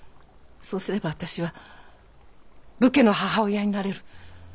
そうすれば私は武家の母親になれる。